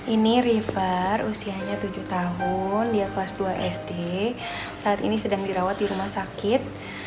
ini river usianya tujuh tahun dia kelas dua sd saat ini sedang dirawat di rumah sakit